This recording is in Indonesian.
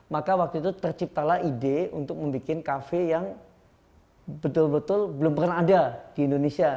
maka waktu itu terciptalah ide untuk membuat kafe yang betul betul belum pernah ada di indonesia